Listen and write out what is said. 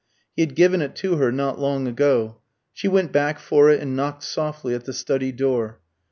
He had given it to her not long ago. She went back for it, and knocked softly at the study door.